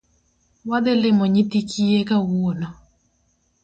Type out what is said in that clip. Wadhi limo nyithi kiye kawuono